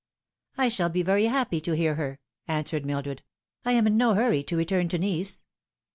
" I shall be very happy to hear her," answered Mildred. " I am in no hurry to return to Nice."